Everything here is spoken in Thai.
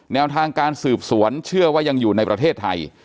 แนวทางการสืบสวนเชื่อว่ายังอยู่ในประเทศไทย